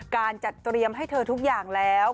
การจัดเตรียมให้เธอทุกอย่างแล้ว